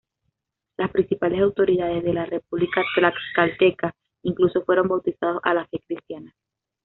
Las principales autoridades de la república tlaxcalteca, incluso fueron bautizados a la fe cristiana.